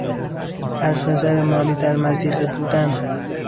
از نظر مالی در مضیقه بودن